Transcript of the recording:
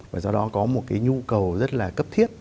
và do đó có một cái nhu cầu rất là cấp thiết